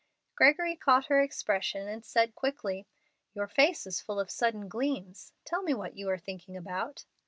Gregory caught her expression and said, quickly: "Your face is full of sudden gleams. Tell me what you are thinking about."